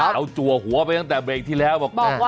จัวหัวไปตั้งแต่เบรกที่แล้วบอก